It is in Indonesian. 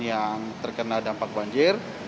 yang terkena dampak banjir